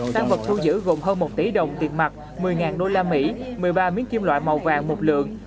tăng vật thu giữ gồm hơn một tỷ đồng tiền mặt một mươi usd một mươi ba miếng kim loại màu vàng một lượng